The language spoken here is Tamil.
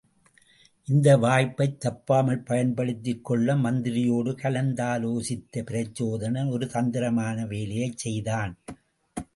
இந்த வாய்ப்பைத் தப்பாமல் பயன்படுத்திக்கொள்ள மந்திரியோடு கலந்தாலோசித்த பிரச்சோதனன் ஒரு தந்திரமான வேலையைச் செய்தான்.